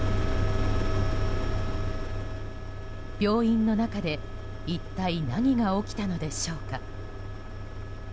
病院の中で一体何が起きたのでしょうか。